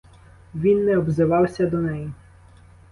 Він не обзивався до неї.